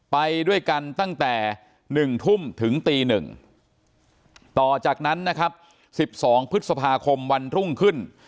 ไปด้วยกันตั้งแต่๑ทุ่มถึงตี๑ต่อจากนั้นนะครับ๑๒พฤษภาคมวันรุ่งขึ้น